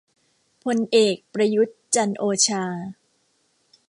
พลเอก ประยุทธ์ จันทร์โอชา